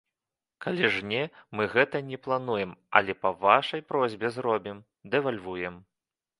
Калі ж не, мы гэта не плануем, але па вашай просьбе зробім, дэвальвуем.